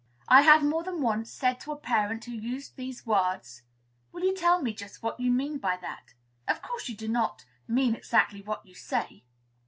I have more than once said to a parent who used these words, "Will you tell me just what you mean by that? Of course you do not mean exactly what you say."